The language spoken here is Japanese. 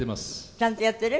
ちゃんとやっている？